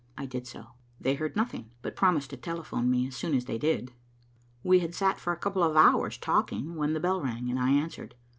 "I did so. They heard nothing, but promised to telephone me as soon as they did." We had sat for a couple of hours talking when the bell rang, and I answered.